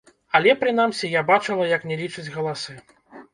Але, прынамсі, я бачыла, як не лічаць галасы.